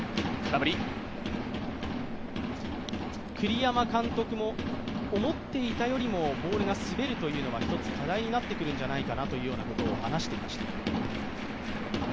栗山監督も思っていたよりもボールが滑るというのは一つ課題になってくるんじゃないかなというようなことも話していました。